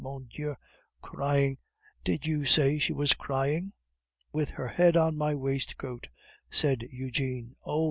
Mon Dieu! crying! Did you say she was crying?" "With her head on my waistcoat," said Eugene. "Oh!